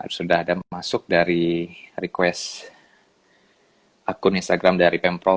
sudah ada masuk dari request akun instagram dari pemprov